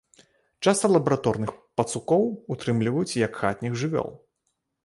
Часта лабараторных пацукоў утрымліваюць як хатніх жывёл.